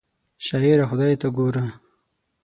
شاعره خدای ته ګوره!